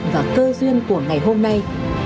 và cơ duyên của ngày hôm nay